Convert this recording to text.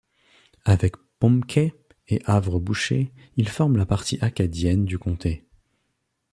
Avec Pomquet et Havre-Boucher, il forme la partie acadienne du comté.